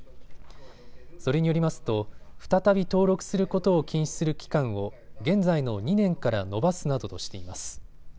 それによりますと再び登録することを禁止する期間を現在の２年から延ばすなどとしています。